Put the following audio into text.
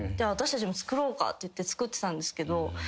私たちも作ろうかって言って作ってたんですけど。